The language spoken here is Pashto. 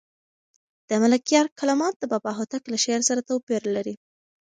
د ملکیار کلمات د بابا هوتک له شعر سره توپیر لري.